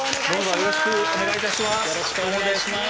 よろしくお願いします。